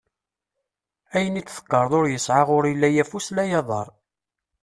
Ayen i d-teqqareḍ ur yesɛi ɣur-i la afus la aḍar.